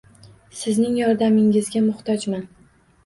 Sizning yordamingizga muhtojman